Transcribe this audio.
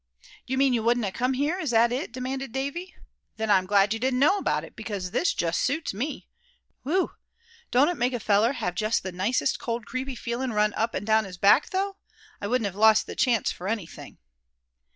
"You mean you wouldn't a come here, is that it?" demanded Davy; "then I'm glad you didn't know about it; because this just suits me. Whew! don't it make a feller have just the nicest cold creepy feelin' run up and down his back, though? I wouldn't have lost the chance for anything."